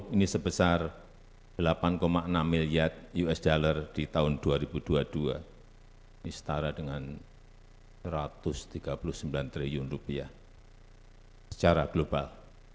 ini sebesar delapan enam miliar usd di tahun dua ribu dua puluh dua ini setara dengan satu ratus tiga puluh sembilan triliun rupiah secara global